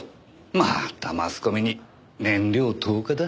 またマスコミに燃料投下だ。